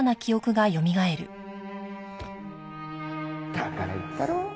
だから言ったろ？